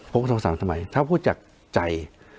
พบโทรศัพท์ทำไมถ้าพูดจากใจ